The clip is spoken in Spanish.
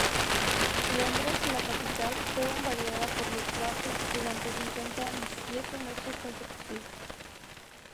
Londres, la capital, fue bombardeada por la "Luftwaffe" durante cincuenta y siete noches consecutivas.